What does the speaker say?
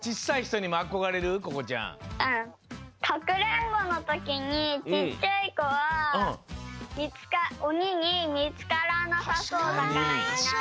かくれんぼのときにちっちゃいこはおににみつからなさそうだからいいな。